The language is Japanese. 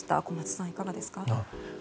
小松さん、いかがですか？